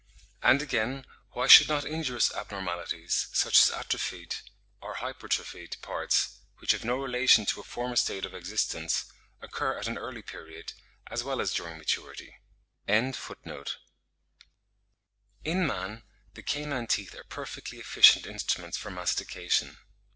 And again, why should not injurious abnormalities, such as atrophied or hypertrophied parts, which have no relation to a former state of existence, occur at an early period, as well as during maturity?) In man, the canine teeth are perfectly efficient instruments for mastication.